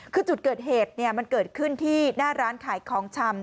คือจุดเกิดเหตุมันเกิดขึ้นที่หน้าร้านขายของชำ